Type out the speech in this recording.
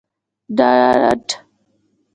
ډاډ